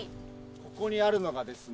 ここにあるのがですね。